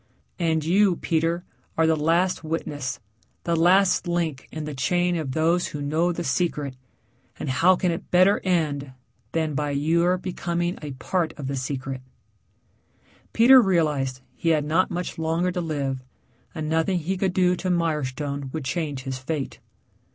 And you, Peter, are the last witness, the last link in the chain of those who know the secret, and how can it better end than by your becoming a part of the secret?" Peter realized that he had not much longer to live and nothing he could do to Mirestone would change his fate.